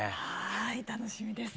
はい楽しみです。